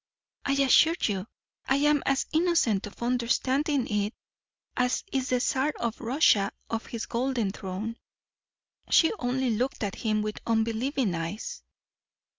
I assure you I am as innocent of understanding it as is the czar of Russia on his golden throne." She only looked at him with unbelieving eyes.